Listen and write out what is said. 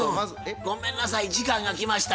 ごめんなさい時間がきました。